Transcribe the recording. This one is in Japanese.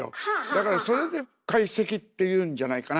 だからそれで「懐石」っていうんじゃないかな。